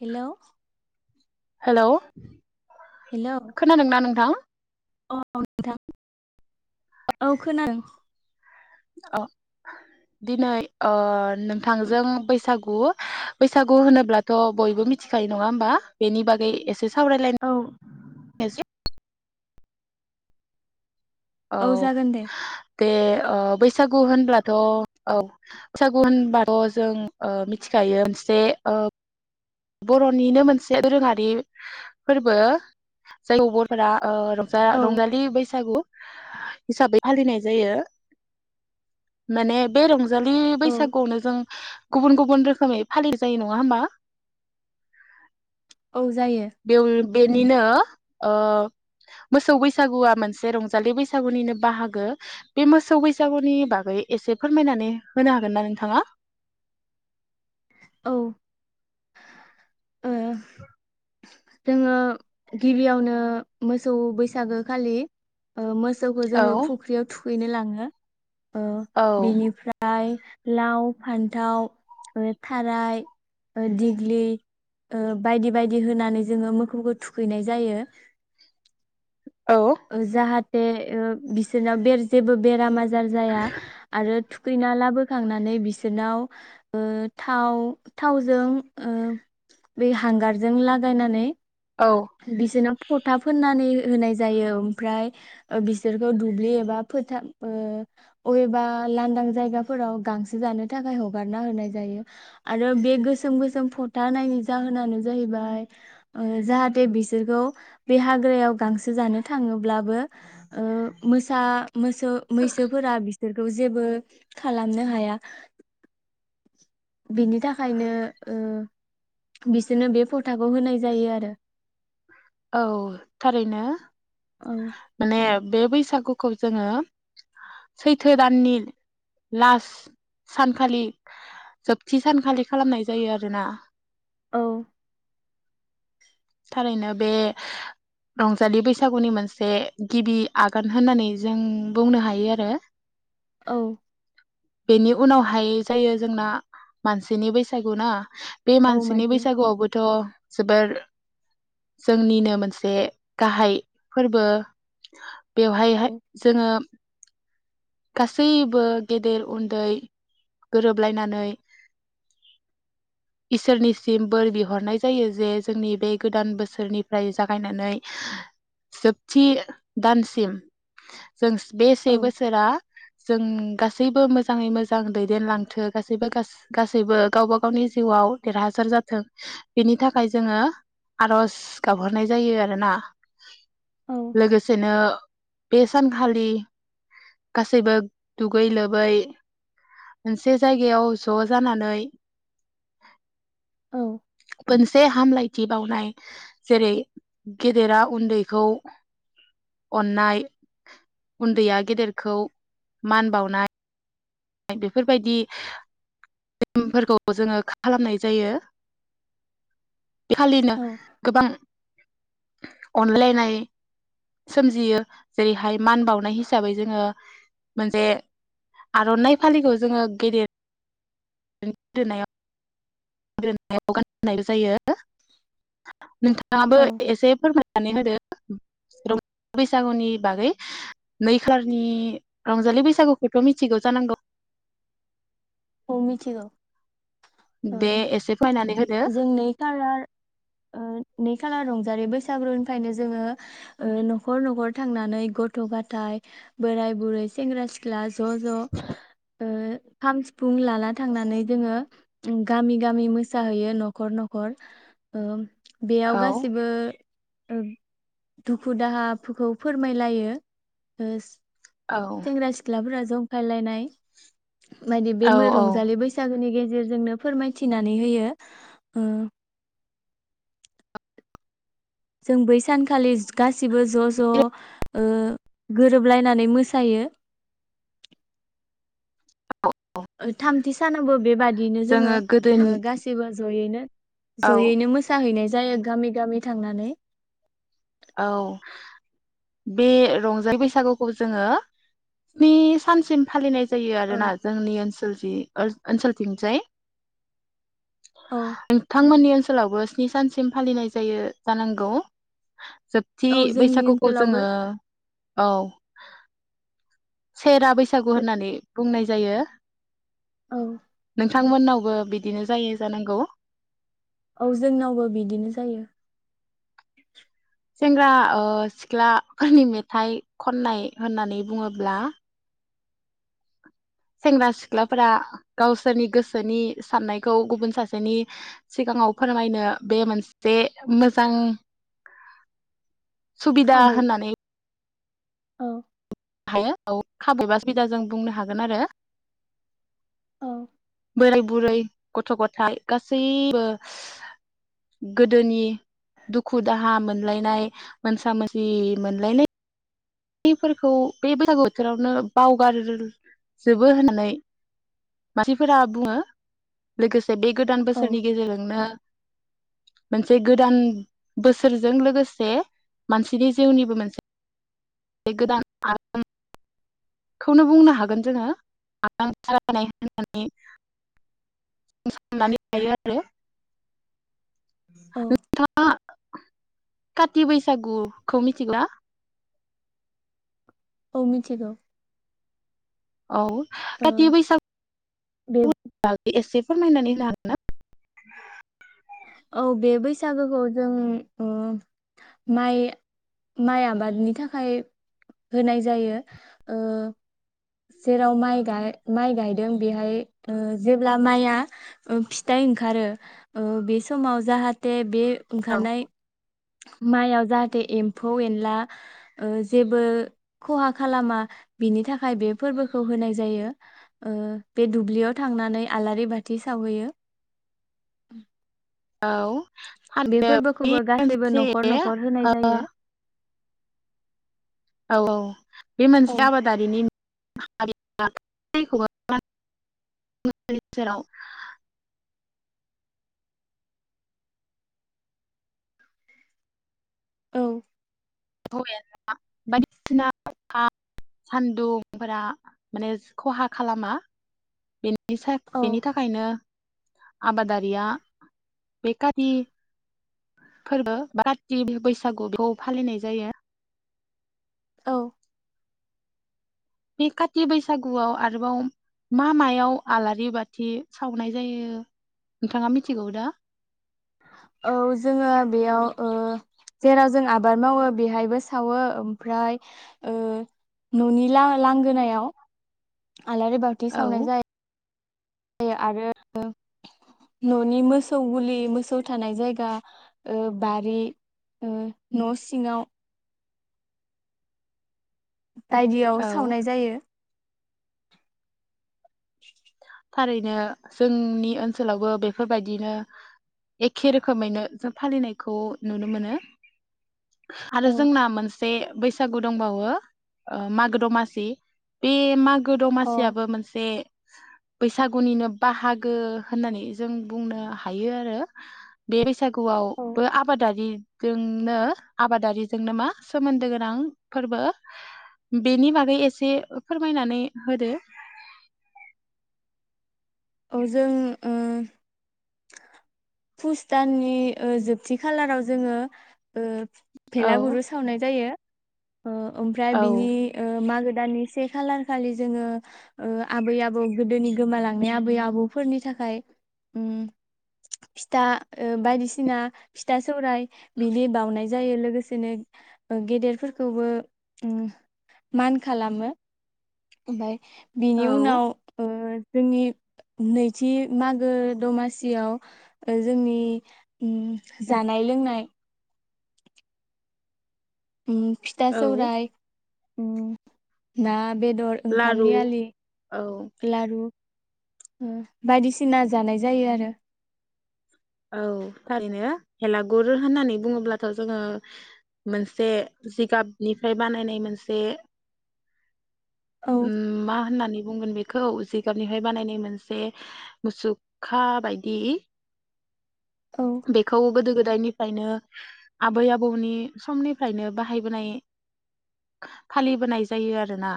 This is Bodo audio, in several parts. हिल' हेलौ खोनादोंना नोंथां? अ नोंथां औ खोनादों। अ दिनै अ नोंथांजों बैसागु बैसागु होनोब्लाथ'बयबो मिथिखायो नङा होमबा बेनि बागै एसे सावरायलायनो औ [unintelligible] औ जागोन दे दे ओ बै सागु होनब्ला थ' औ बैसागु होनबाथ' जों ओ मिथिखायो मोनसे ओ बर'निनो मोनसे दोरोङारि फोरबो। जायखौ बर'फोरा ओ औ रंजा-रंजालि बैसागु हिसाबै फालिनाय जायो। माने बे रंज जालि बैसागुआवनो जों गुबुन गुबुन रोखोमै फालि जायो नङा होमबा? औ जायो। बेव बेनिनो ओ मोसौ बैसागुआ मोनसे रंजालि बैसागुनिनो बाहागो। बे मोसौ बैसागुनि बागै एसे फोरमायनानै होनो हागोन ना नोंथाङा? औ ओ जोङो गिबियावनो मोसौ बैसागो खालि ओ मो सौखौ औ जोङो फुख्रियाव थु खैनो लाङो। ओ औ बेनिफ्राय लाव फान्थाव थाराय दिग्लि ओ बायदि बायदि होनानै जोङो मोखौखौ थुखैनाय जायो। औ ओ जाहाथ बे ओ बिसोरनाव बेर जेबो बेरामा जाया आरो थुखैना लाबोखांनानै बिसोरनाव ओ थाव थावजों ओ बै हांगारजों लागायनानै औ बिसोरनो फथा फोननानै होनाय जायो ओमफ्राय ओ बिसोरखौ दुब्लि एबा फोथार ओ अबेबा लांदां जायगाफोराव गांसो जानो थाखाय हगारना होनाय जायो आरो बे गोसोम गोसोम फथा नि जाहोनानो जाहैबाय ओ जा बे बिसोरखौ बे हाग्रायाव गांसो जानो थाङोब्लाबो ओ‌ मोसा मोसौ मैसोफोरा बिसो बिसोरखौ जेबो खालामनो हाया। बिनि थाखायनो ओ बिसोरनो बे फथाखौ होनाय जायो आरो औ थारैनो। औ माने बे बै सागुखौ जोङो सैथो दाननि लास्ट सानखालि जोबथि सानखालि खालामनाय जायो आरोना औ थारैनो बे रंजालि बैसागुनि मोनसे गिबि आगान होननानै जों बुंनो हायो आरो औ बेनि उनावहाय जायो जोंना मानसिनि बैसागु ना। बे औ मानसिनि मानसि बैसागुआव बोथ जोबोर जोंनिनो मोनसे गाहाय फोरबो औ बेवहायहाय जोङो गासैबो गेदेर उन्दै गोरोबलायनानै इसोरनिसिम बोर बिहरनाय जायो जे जोंनि बे गोदान बोसोरनिफ्राय जागायनानै जोबथि दानसिम जों बे औ से बोसोरा जों गासैबो मोजाङै मोजां दैदेनलांथों गासैबो गासै गासैबो गावबा गावनि जिउआव देरहासार जाथों बेनि थाखाय जोङो आरज गाबहरनाय जायो आरोना औ लोगोसेनो बेे‌ सानखलि गासैबो दुगै लोबै मोनसे जायगायाव ज'जानानै औ खोनसे हामलाइ थि बावनाय जेरै गेदेरा उन्दैखौ अननाय उन्दैया गेदेरखौ मान बावनाय बेफोर बायदि नेमफोरखौ जोङो खालामनाय जायो। इखालिनो औ गोबां अनलायनाय सोमजियो जेरैहाय मान बावनाय हिसाबै जोङो मोनसे आरनाइ फालिखौ जोङो गेदेर [unintelligible] दोनायाव गोदोनायाव गानहोनाय जायो। [unintelligible] नोंथाङाबो औ एसे फोरमाय नानै होदो रंजा बैसागुनि बागै नै खालारनि रंजालि बैसागुखौथ' मिथिगौ जानांगौ? औ मिथिगौ। ओ दे एसे फोरमायनानै होदो जों नै खालार ओ नै खालाराव जेरै बैसागुनिफ्रायनो जोङो नखर नखर थांनानै गथ गाथाय बोराय बुरै सेंग्रा सिख्ला ज ज ओ खाम सि फुं लाना थांनानै जोङो गामि गामि मोसाहैयो नखर नखर ओ बेयाव औ गासिबो ओ दुखु दाहाफोरखौ फोरमायलायो। ओ औ सेंग्रा सिख्लाफोरा जंखायलायनाय बायदि औ बे औ रंजालि बैसागोनि गेजेर गेजेरजोंनो फोरमायथिनानै होयो। ओ जों बै सानखालि गासै सिबो ज ज ओ गोरोबलायनानै मोसायो। ओ थामथि सानावबो बेबादिनो जोङो ओ गासिबो जयैनो औ जयैनो मोसाहैनाय जायो गामि गामि थांनानै। औ बे रंजालि बैसागुखौ जोङो स्नि सानसिम फालिनाय जायो औ आरोना जोंनि ओनसोल जि ओ-ओनसोलथिंजाय। औ नोंथांमोननि ओनसोलावबो स्नि सानसिम फालिनाय जायो जानांगौ जोबथि औ जोंनि बैसागुखौ ओनसोलावबो जोङो औ। सेरा बैसागु होननानै बुंनाय जायो। औ नोंथांमोननावबो बिदिनो जायो जानांगौ? औ जोंनावबो बिदिनो जायो। सेंग्रा सिख्लाफोरनि मेथाइ खननाय होननानै बुङोब्ला सेंग्रा सिख्लाफोरा गावसोरनि गोसोनि साननायखौ गुबुन सासेनि सिगाङाव फोरमायनो बे मोनसे मोजां सुबिदा खाबु होननानै औ हायो औ खाबु बा सुबिदा जों बुंनो हागोन आरो औ बोराय बुरै गथ गथाइ गासैबो गोदोनि दुखु दाहा मोनलायनाय मोनसा मोनसि मोनलायनाय फोरखौ बे बैसागु बोथोरावनो बावगारजोबो होननानै मानसिफोरा बुङो। लोगो से बे गोदान औ बोसोरनि गेजेरजोंनो मोनसे गोदान बोसोरजों लोगोसे मानसिनि जिउनिबो मोनसे बे गोदान [unintelligible] खौनो बुंनो हागोन जोङो [unintelligible] होननानै उन संनानै थायो आरो औ काथि बैसागुखौ मिथिगौना? औ मिथिगौ। औ काथि बैसागु बेब [unintelligible] एसे फोरमायनानै [unintelligible] औ बे बैसागोखौ जों उम माइ माइ आबादनि थाखाय होनाय जायो। ओ जेराव माइ गाय माइ गायदों बेहाय ओ जेब्ला माइआ ओ फिथाइ ओंखारो ओ बे समाव जाहाथे बे ओंखारनाय माइयाव जाहाथे एम्फौ एनला ओ जेबो खहा खालामा बिनि था खाय बे फोरबोखौ होनाय जायो। ओ बे दुब्लियाव थांनानै आलारि बाथि सावहैयो। हागोन। औ बे आरो फोरबोखौबो गासैबो मोनसे नखर नखर होनाय जायो। औ औ बे औ मोनसे आबादारिनि [unintelligible] औ [unintelligible] बायदिसिना अखा सान्दुंफोरा माने खहा खालामा बे [unintelligible] औ बेनि थाखायनो आबादारिया बे काति फोरबो बा काति बैसागु बेखौ फालिनाय जायो। औ बे काथि बैसागुआव आरोबाव मा मायाव आलारि बाथि सावनाय जायो नोंथाङा मिथिगौ दा? औ जोङो बेयाव ओ जेराव जों आबाद मावो बेहायबो सावो। ओमफ्राय ओ ननि ला-लांगोना याव आलारि बाथि औ सावनाय जा यो आरो न'नि मोसौ ग'लि मोसौ थानाय जायगा ओ बारि ओ न' सिङाव बायदियाव औ सावनाय जायो। [inaudible] थारैनो जोंनि ओनसोलावबो बेफोरबायदिनो एखे रोखोमैनो जों फालिनायखौ नुनो मोनो। आरो औ जोंना मोन से बैसागु दंबावो ओ मागो दमासि बे माग गो अ दमासियाबो मोनसे बैसागुनिनो बाहागो होननानै जों बुंनो हायो आरो बे औ बैसागुआवबो आबादारि जोंनो आबादारिजोंनो मा सोमोन्दो गोनां फोरबो बेनि बागै एसे फोरमायनानै होदो औ जों उम पुस दाननि ओ जोबथि खालाराव जोङो ओ औ भेलागुरु सावनाय जायो। ओ ओमफ्राय बिनि औ ओ मा दानि से खालार खालि जोङो ओ आबै आबौ गोदोनि गोमालां नि आबै-आबौ फोरनि थाखाय उम फिथा ओ बायदिसिना फिथा सा सराय बिनि बावनाय जायो लोगोसेनो ओ गेदेरफोरखौबो उम मान खालामो ओमफाय बिनि औ उनाव ओ जोंनि नैथि मागो दमासियाव ओ जोंनि उम जानाय लोंनाय उम फिथा औ सौराय उम नाम। बेदर लारु ओंखामनि आलि औ लारु उम बायदिसिना जानाय जायो आरो औ थारैनो हेलागुर होन्नानै बुङोब्लाथ' जोङो मोनसे जिगाबनिफ्राय बानायनाय मोनसे औ उम मा होनानै बुंगोन बेखौ जिगाबनिफ्राय बानायनाय मोनसे मुसुखा बायदि औ बेखौ गोदो गोदायनिफ्रायनो आबै आबौनि समनिफ्रायनो बाहायबोनाय फालिबोनाय जायो आरोना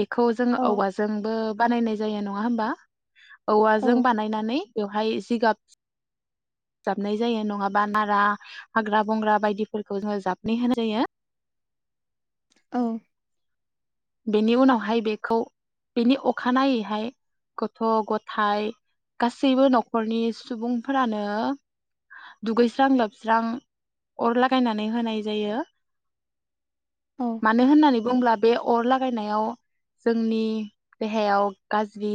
बेखौ जों औ औवाजोंबो बानायनाय जायो नङा होमबा औ औवाजों बानायनानै बेवहाय जिगाब जाबनाय जायो नङाबा नारा हाग्रा बंग्रा बायदिफोरखौ जोङो जाबनानै होनाय जायो। औ बेनि उनावहाय बेखौ बेनि अखानायैहाय गथ' गथाय गासैबो नखरनि सुबुंफोरानो दुगैस्रां लोबस्रां अर लागायनानै होनाय जायो। औ मानो होन्नानै बुंब्ला अर लागायनायाव जोंनि देहायाव गाज्रि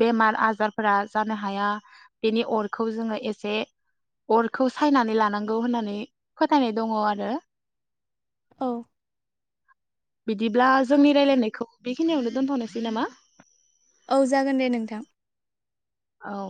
बेमार आजारफोरा जानो हाया बेनि अरखौ जोङो एसे अरखौ सायनानै लानांगौ होन्नानै फोथायनाय दङ आरो। औ। बिदिब्ला जोंनि रायलायनायखौ बेखिनियावनो दोनथनोसै नामा। औ जागोन दे नोंथां। औ।